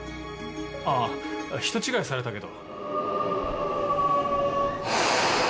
あ人違いされたけど。